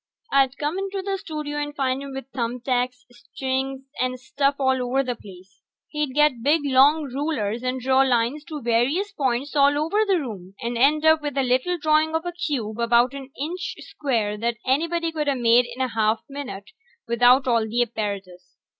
I'd come into the studio and find him with thumb tacks and strings and stuff all over the place. He'd get big long rulers and draw lines to various points all over the room, and end up with a little drawing of a cube about an inch square that anybody coulda made in a half a minute without all the apparatus.